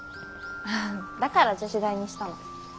だから女子大にしたの。